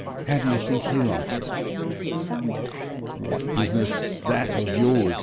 How do you think he likes it?' 'What business that of yours?'